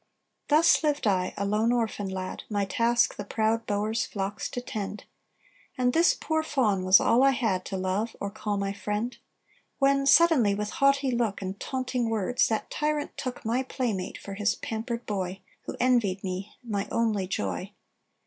"Thus lived I, a lone orphan lad, My task the proud Boer's flocks to tend; And this poor fawn was all I had To love or call my friend; When suddenly, with haughty look And taunting words, that tyrant took My playmate for his pampered boy, Who envied me my only joy.